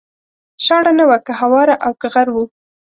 شاړه نه وه که هواره او که غر و